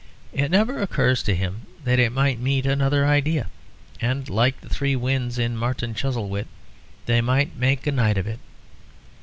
It never occurs to him that it might meet another idea, and like the three winds in Martin Chuzzlewit, they might make a night of it.